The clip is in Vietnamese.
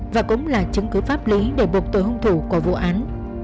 và cũng là chứng cứ pháp lý để buộc tội hung thủ của vụ án